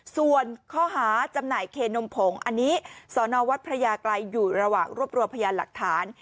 ส่วนข้อหาจำหน่ายเคนมผงอันนี้สอนอวัดพระยากรัยอยู่ระหว่างรวบรวมพยานหลักฐาน